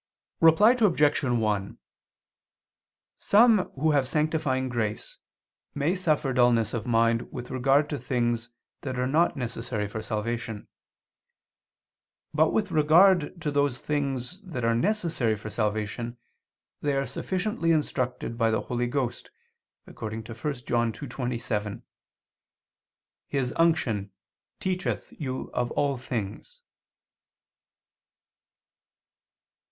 Reply Obj. 1: Some who have sanctifying grace may suffer dulness of mind with regard to things that are not necessary for salvation; but with regard to those that are necessary for salvation, they are sufficiently instructed by the Holy Ghost, according to 1 John 2:27: "His unction teacheth you of all things."